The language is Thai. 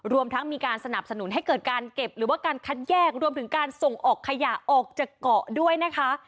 รวมทั้งมีการสนับสนุนให้เกิดการเก็บหรือว่าการคัดแยกรวมถึงการส่งออกขยะออกจากเกาะด้วยนะคะ